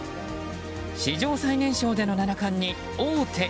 史上最年少での七冠に王手。